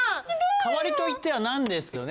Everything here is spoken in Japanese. かわりといってはなんですけどね。